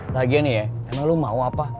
lagian nih ya emang lu mau apa